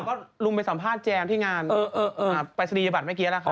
พี่สาวก็รุมไปสัมภาษณ์แจมที่งานปิสดียาบรรท์เมื่อกี้แล้วค่ะ